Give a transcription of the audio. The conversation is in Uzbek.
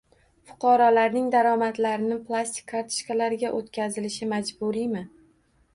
Fuqarolarning daromadlarini plastik kartochkalarga o‘tkazilishi majburiymi?